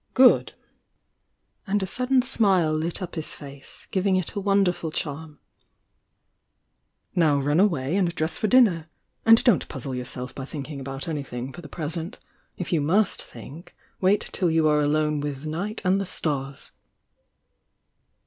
"Good!" And a sudden smile lit up his face, giv ing It a wonderful charm. "Now run away and dress for dmner! Wid don't puzzle yourself by thinking about any thmg for the present. If you must think '*''« 'Vy°" """e alone with night and the stars!"